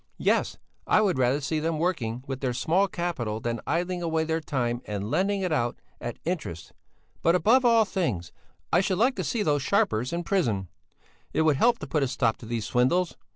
Yes, I would rather see them working with their small capital than idling away their time and lending it out at interest; but, above all things, I should like to see those sharpers in prison; it would help to put a stop to these swindles.